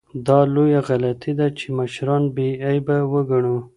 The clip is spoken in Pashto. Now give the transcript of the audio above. دا لویه غلطي ده چي مشران بې عیبه وګڼو.